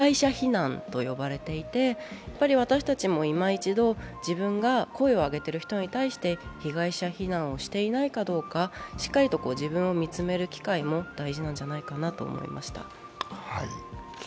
こういう服を着ていたから被害に遭ったんだというのは被害者非難と呼ばれていて、私たちもいま一度、自分が声を上げてる人に対して被害者非難をしていないかどうかしっかりと自分を見つめる機会も大事なんじゃないかなと思いました。